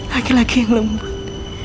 laki laki yang lembut